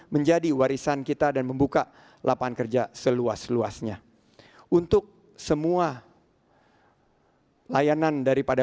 menjadi warisan kita dan membuka lapangan kerja seluas luasnya untuk semua layanan daripada